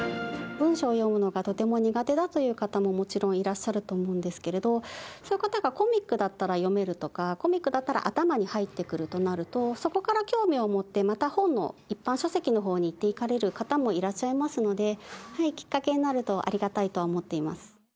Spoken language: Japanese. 文章を読むのがとても苦手だという方ももちろんいらっしゃると思うんですけれども、そういう方がコミックだったら読めるとか、コミックだったら頭に入ってくるとなると、そこから興味を持って、また本の一般書籍のほうにいっていかれる方もいらっしゃいますので、きっかけになるとありがたいと思っています。